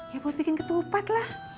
ya buat bikin ketupat lah